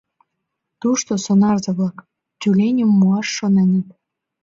Тушто сонарзе-влак тюленьым муаш шоненыт.